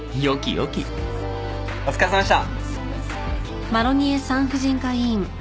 お疲れさまでした！